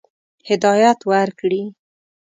هدایت ورکړي.